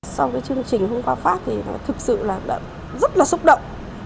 sau cái chương trình hôm qua phát thì thực sự là rất là xúc động